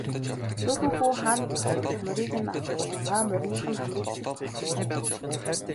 Сүүлэн хүү хааны тосож морийг нь авч уянгаа мориных нь хамрыг сэт татжээ.